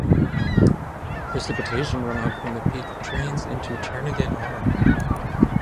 Precipitation runoff from the peak drains into Turnagain Arm.